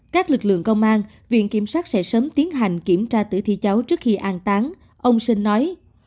các lực lượng công an viện kiểm sát sẽ sớm tiến hành kiểm tra tử thi cháu trước khi an tán ông sinh nói